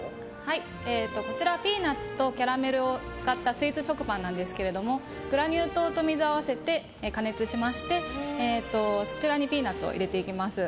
こちらピーナツとキャラメルを使ったスイーツ食パンなんですけどグラニュー糖と水を合わせて加熱しましてそちらにピーナツを入れていきます。